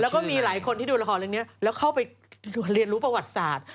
แล้วก็มีหลายคนที่ดูละครเรื่องนี้แล้วเข้าไปเรียนรู้ประวัติศาสตร์